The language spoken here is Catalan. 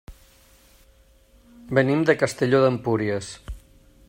Venim de Castelló d'Empúries.